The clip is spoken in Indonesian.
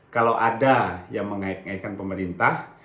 kalau ada yang mengaikan pemerintah